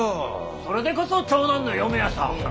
それでこそ長男の嫁ヤサ。